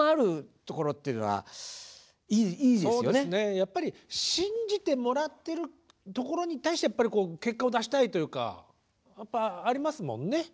やっぱり信じてもらってるところに対して結果を出したいというかやっぱありますもんね。